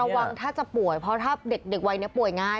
หวังถ้าจะป่วยเพราะถ้าเด็กวัยนี้ป่วยง่าย